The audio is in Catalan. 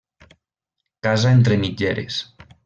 Casa entre mitgeres.